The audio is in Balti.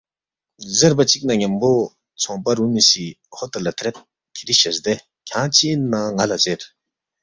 زیربا چِکنا ن٘یمبو ژھونگپا رُومی سی طوطو لہ ترید، کِھری شزدے کھیانگ چِہ اِن نہ ن٘ا لہ زیر